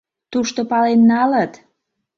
— Тушто пален налыт...